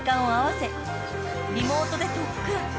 ［リモートで特訓］